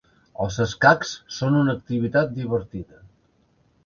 Els escacs són una activitat divertida.